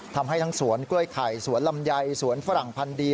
ทำให้ทั้งสวนกล้วยไข่สวนลำไยสวนฝรั่งพันดี